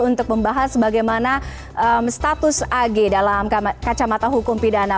untuk membahas bagaimana status ag dalam kacamata hukum pidana